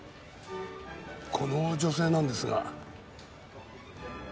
この女性なんですが。